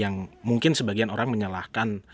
yang mungkin sebagian orang menyalahkan